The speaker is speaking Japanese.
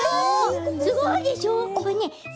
すごいでしょう！